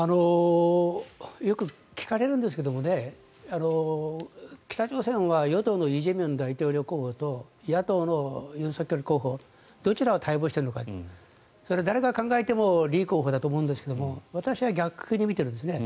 よく聞かれるんですけども北朝鮮は与党のイ・ジェミョン大統領候補と野党の尹錫悦候補どちらを待望しているのかそれは誰が考えてもイ候補だと思うんですが私は逆に見てるんですね。